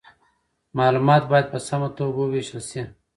معلومات باید په سمه توګه وویشل سي.